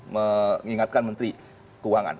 mengingatkan menteri keuangan